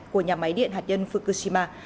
của nhà máy điện hạt nhân fukushima